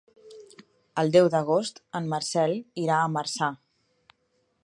El deu d'agost en Marcel irà a Marçà.